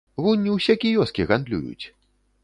Вунь, усе кіёскі гандлююць.